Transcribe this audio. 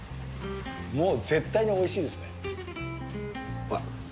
もう絶対においしいですね。